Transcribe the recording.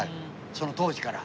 その当時から。